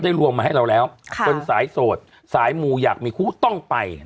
รวมมาให้เราแล้วคนสายโสดสายมูอยากมีคู่ต้องไป